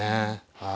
はい。